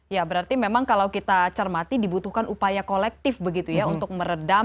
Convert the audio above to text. ya berarti memang kalau kita cermati dibutuhkan upaya kolektif begitu ya untuk meredam